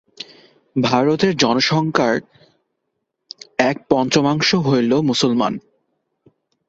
ভারতের জনসংখ্যার এক পঞ্চামাংশ হইল মুসলমান।